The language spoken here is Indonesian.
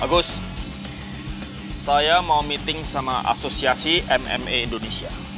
agus saya mau meeting sama asosiasi mma indonesia